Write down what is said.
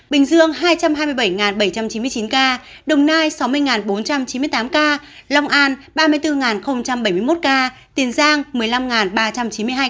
bình dương hai trăm hai mươi bảy bảy trăm chín mươi chín ca đồng nai sáu mươi bốn trăm chín mươi tám ca long an ba mươi bốn bảy mươi một ca tiền giang một mươi năm ba trăm chín mươi hai ca